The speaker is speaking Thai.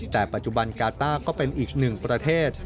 แต่ปัจจุบันกาต้าก็เป็นอีกหนึ่งประเทศ